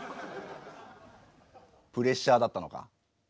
プレッシャーだったのか？